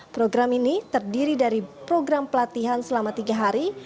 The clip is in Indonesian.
program ini terdiri dari program pelatihan selama tiga hari